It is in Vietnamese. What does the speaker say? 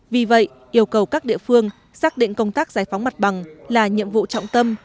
vì vậy yêu cầu các địa phương xác định công tác giải phóng mặt bằng là nhiệm vụ trọng tâm